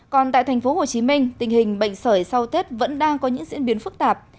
còn tại tp hcm tình hình bệnh sởi sau tết vẫn đang có những diễn biến phức tạp